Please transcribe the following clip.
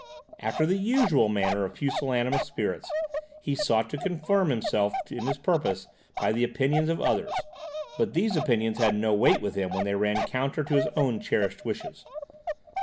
After the usual manner of pusillanimous spirits, he sought to confirm himself in his purpose by the opinions of others; but these opinions had no weight with him when they ran counter to his own cherished wishes.